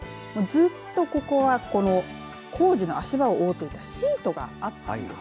ずっとここはこの工事の足場を覆っていたシートがあったんです。